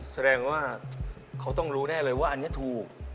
แสดงว่าเขาต้องรู้แน่เลยว่าอันนี้ถูก